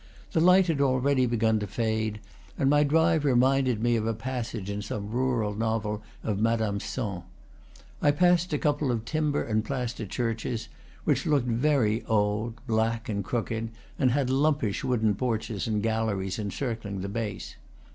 The light had already begun to fade, and my drive reminded me of a passage in some rural novel of Madame Sand. I passed a couple of timber and plaster churches, which looked very old, black, and crooked, and had lumpish wooden porches and galleries encircling the base.